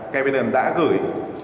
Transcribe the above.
capitol đã gửi